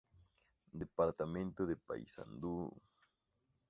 Departamento de Paysandú